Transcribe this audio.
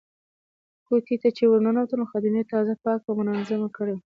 کوټې ته چې ورننوتلم خادمې تازه پاکه او منظمه کړې وه.